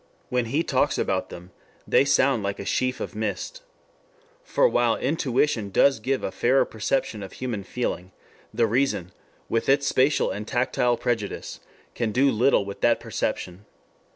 When he talks about them they sound like a sheaf of mist. For while intuition does give a fairer perception of human feeling, the reason with its spatial and tactile prejudice can do little with that perception.